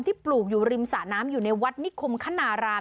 ปลูกอยู่ริมสระน้ำอยู่ในวัดนิคมคณาราม